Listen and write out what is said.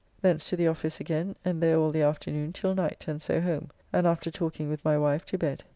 Thence to the office again, and there all the afternoon till night, and so home, and after talking with my wife to bed.